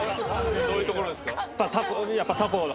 どういうところですか？